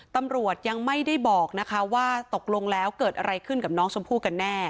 ตำรวจยังไม่ได้บอกนะคะว่าตกลงแล้วเกิดอะไรขึ้นกับน้องชมพู่กันแน่